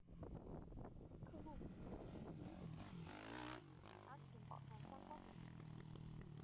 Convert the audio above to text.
·客户服务信息和与安全保障相关的信息。